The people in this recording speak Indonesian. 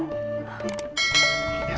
takut kemaleman di jalan